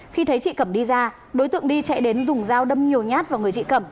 khi thấy chị cẩm đi ra đối tượng đi chạy đến dùng dao đâm nhiều nhát vào người chị cẩm